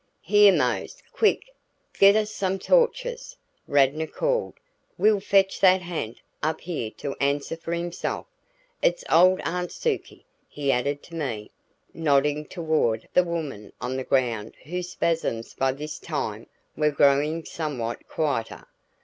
"Here Mose, quick! Get us some torches," Radnor called. "We'll fetch that ha'nt up here to answer for himself. It's old Aunt Sukie," he added to me, nodding toward the woman on the ground whose spasms by this time were growing somewhat quieter.